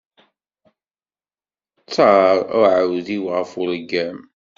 Ttaṛ uɛudiw ɣef uleggam.